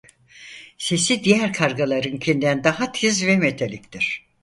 Sesi diğer kargalarınkinden daha tiz ve metaliktir.